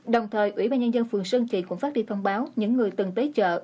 đồng thời ủy ban nhân dân phường sơn kỳ cũng phát đi thông báo những người từng tới chợ